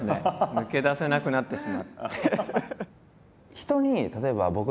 抜け出せなくなってしまって。